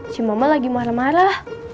si mama lagi marah marah